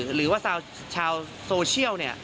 หรือว่าชาวโซเชียลเนี่ย